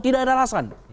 tidak ada alasan